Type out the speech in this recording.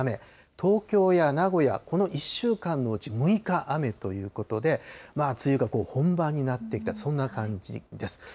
東京や名古屋、この１週間のうち６日雨ということで、梅雨が本番になってきた、そんな感じです。